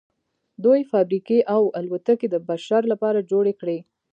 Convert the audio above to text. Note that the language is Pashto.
دوی فابریکې او الوتکې د بشر لپاره جوړې کړې